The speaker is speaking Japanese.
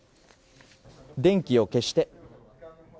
電気を消して。